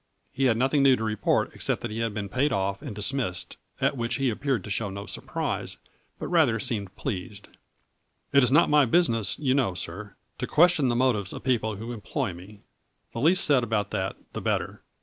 He had nothing new to report except that he had been paid off and dismissed, at which he appeared to show no surprise, but rather seemed pleased. " It is not my business you know, sir, to question the motives of people who employ me. The least said about that the better.